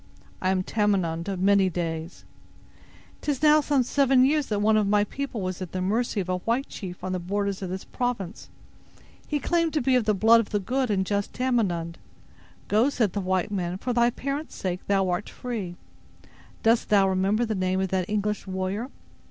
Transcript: "I am Tamenund of many days." "'Tis now some seven years that one of thy people was at the mercy of a white chief on the borders of this province. He claimed to be of the blood of the good and just Tamenund. 'Go', said the white man, 'for thy parent's sake thou art free.' Dost thou remember the name of that English warrior?"